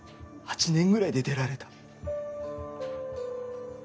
８年ぐらいで出られた